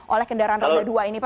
oleh kendaraan ronda dua ini